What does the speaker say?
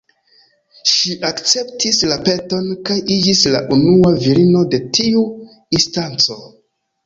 Ŝi akceptis la peton kaj iĝis la unua virino de tiu instanco.